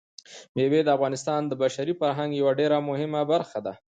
مېوې د افغانستان د بشري فرهنګ یوه ډېره مهمه برخه ده.